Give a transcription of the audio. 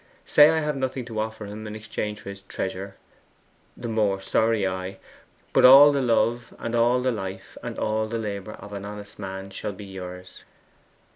Say I have nothing to offer him in exchange for his treasure the more sorry I; but all the love, and all the life, and all the labour of an honest man shall be yours.